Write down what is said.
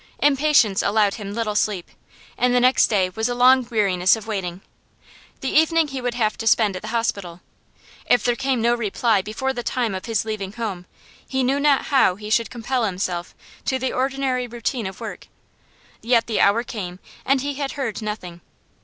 Impatience allowed him little sleep, and the next day was a long weariness of waiting. The evening he would have to spend at the hospital; if there came no reply before the time of his leaving home, he knew not how he should compel himself to the ordinary routine of work. Yet the hour came, and he had heard nothing.